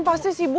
pasti si bu